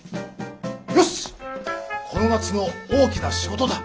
よしこの夏の大きな仕事だ。